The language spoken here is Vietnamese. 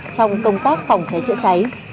trong công tác phòng cháy chữa cháy